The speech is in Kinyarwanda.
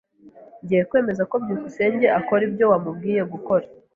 [S] Ngiye kwemeza ko byukusenge akora ibyo wamubwiye gukora.